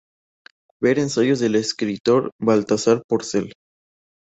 Ver ensayos del escritor Baltasar Porcel